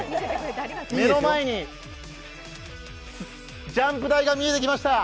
目の前にジャンプ台が見えてきました。